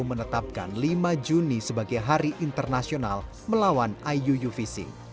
menetapkan lima juni sebagai hari internasional melawan iuu fishing